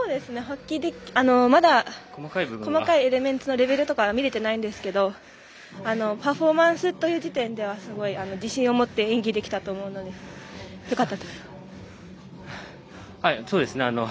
まだ細かいエレメンツのレベルとか見れてないんですけどパフォーマンスという部分ではすごい自信を持って演技できたと思うのでよかったと思います。